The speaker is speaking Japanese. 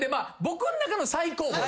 僕の中の最高峰。